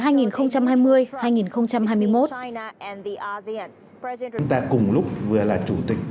chúng ta cùng lúc vừa là chủ tịch